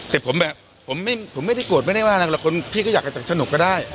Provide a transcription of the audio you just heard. แต่ผมแบบผมไม่ได้โกรธไม่ได้ว่าอะไรหรอกคนพี่ก็อยากจะสนุกก็ได้